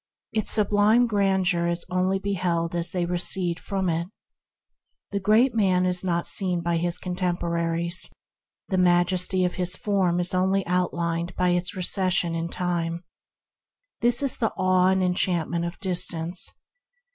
Its sublime grandeur is only beheld as they recede from it. The great E.K. 10] 144 THE HEAVENLY LIFE man is not seen by his contemporaries; the majesty of his form is outlined only through its recession in time. This is the awe and enchantment of distance.